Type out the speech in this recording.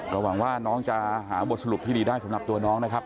ก็หวังว่าน้องจะหาบทสรุปที่ดีได้สำหรับตัวน้องนะครับ